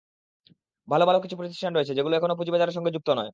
ভালো ভালো কিছু প্রতিষ্ঠান রয়েছে, যেগুলো এখনো পুঁজিবাজারের সঙ্গে যুক্ত নয়।